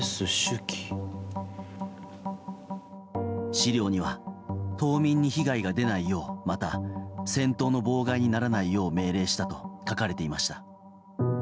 資料には島民に被害が出ないようまた戦闘の妨害にならないよう命令したと書かれていました。